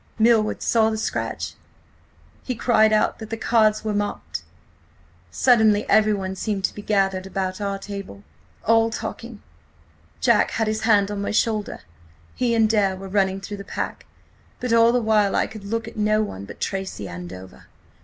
"Milward saw the scratch. He cried out that the cards were marked! Suddenly everyone seemed to be gathered about our table–all talking! Jack had his hand on my shoulder; he and Dare were running through the pack. But all the while I could look at no one but Tracy–Andover.